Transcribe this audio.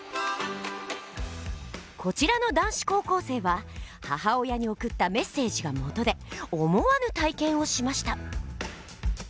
こちらの男子高校生は母親に送ったメッセージがもとで思わぬ体験をしました。